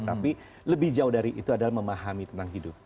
tapi lebih jauh dari itu adalah memahami tentang hidup